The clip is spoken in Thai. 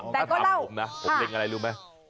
ถ้าบอกผมนะผมเร็งอะไรรู้มั้ย